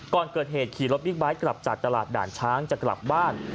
ก่อนเกิดเหตุขี่รถบิ๊กไบท์กลับจากตลาดด่านช้างจะกลับบ้าน